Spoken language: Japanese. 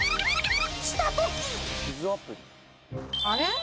あれ？